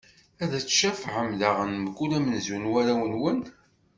Ad d-tcafɛem daɣen mkul amenzu n warraw-nwen.